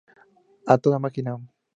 A toda máquina!